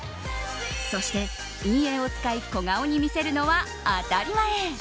そして、陰影を使い小顔に見せるのは当たり前。